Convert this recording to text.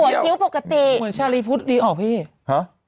เพราะหัวคิ้วปกติเหมือนชาลีพุธดีออกพี่ฮะ